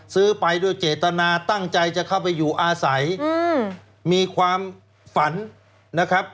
ไปด้วยเจตนาตั้งใจจะเข้าไปอยู่อาศัยมีความฝันนะครับ